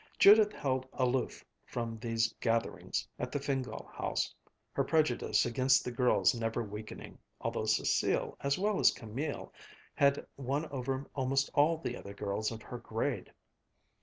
Judith held aloof from these gatherings at the Fingál house, her prejudice against the girls never weakening, although Cécile as well as Camilla had won over almost all the other girls of her grade.